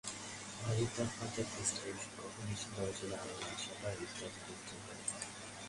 বাড়ির তাপমাত্রা, fridge, television, coffee machine, দরজা-জানালার শাটার ইত্যাদি নিয়ন্ত্রণ করা যায়।